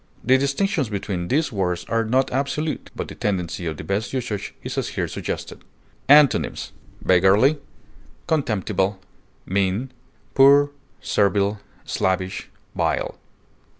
The distinctions between these words are not absolute, but the tendency of the best usage is as here suggested. Antonyms: beggarly, contemptible, mean, poor, servile, slavish, vile.